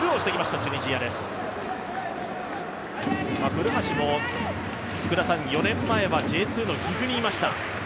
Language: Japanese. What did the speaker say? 古橋も４年前はＪ２の岐阜にいました。